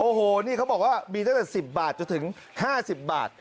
โอ้โหนี่เขาบอกว่ามีตั้งแต่๑๐บาทจนถึง๕๐บาท